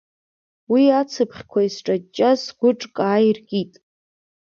Уи ацԥхьқәа исҿаҷҷаз сгәы ҿкаа иркит.